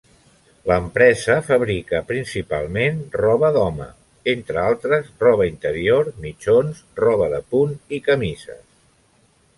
L'empresa fabrica principalment roba d'home, entre altres, roba interior, mitjons, roba de punt i camises.